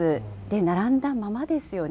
並んだままですよね。